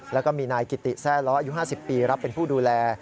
แล้วก็มีนายกิติแซ่ล้ออายุ๕๐ปีรับเป็นผู้ดูแล